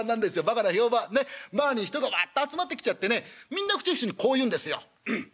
バカに人がワッと集まってきちゃってねみんな口々にこう言うんですよ。